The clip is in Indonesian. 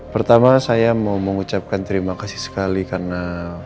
pertama saya mau mengucapkan terima kasih sekali karena